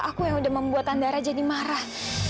aku yang udah membuat andara jadi marah